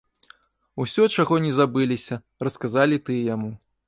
Усё, чаго не забыліся, расказалі тыя яму.